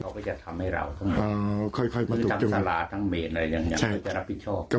เขาก็จะทำให้เราทั้งสละทั้งเมตรอะไรอย่างก็จะรับผิดชอบ